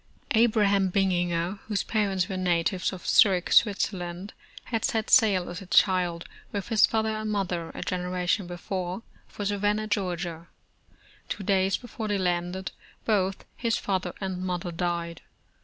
Abraham Bininger, whose parents were natives of Zurich, Switzerland, had set sail as a child with his father and mother, a generation before, for Savannah, Georgia. Two days before they landed, both his fath er and mother died.